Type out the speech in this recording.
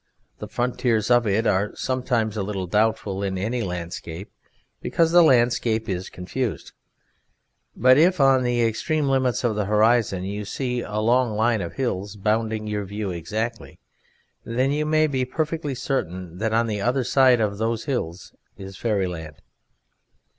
The frontiers of it are sometimes a little doubtful in any landscape, because the landscape is confused, but if on the extreme limits of the horizon you see a long line of hills bounding your view exactly, then you may be perfectly certain that on the other side of those hills is Fairyland.